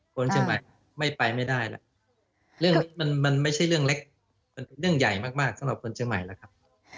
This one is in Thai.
คนเชียงใหม่ไม่ไปไม่ได้แล้วเรื่องมันไม่ใช่เรื่องเล็กมันเรื่องใหญ่มากสำหรับคนเชียงใหม่แล้วครับ